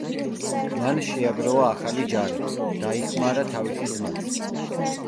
მან შეაგროვა ახალი ჯარი, დაიხმარა თავისი ძმაც.